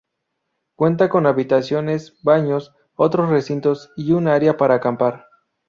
Cuenta con habitaciones, baños, otros recintos y un área para acampar.